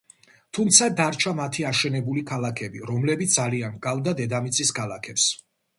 თუმცა დარჩა მათი აშენებული ქალაქები, რომლებიც ძალიან ჰგავდა დედამიწის ქალაქებს.